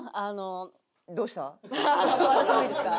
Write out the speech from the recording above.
私もいいですか？